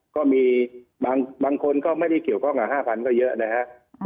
ก็มีบางคนก็ไม่ได้เกี่ยวข้องกับ๕๐๐ก็เยอะนะฮะ